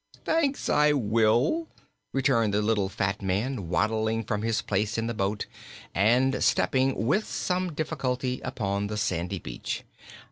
"Thanks; I will," returned the little fat man, waddling from his place in the boat and stepping, with some difficulty, upon the sandy beach.